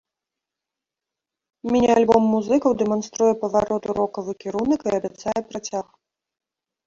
Міні-альбом музыкаў дэманструе паварот у рокавы кірунак і абяцае працяг.